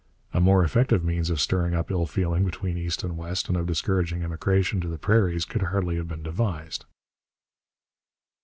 A more effective means of stirring up ill feeling between East and West and of discouraging immigration to the prairies could hardly have been devised.